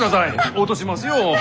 落としますよ。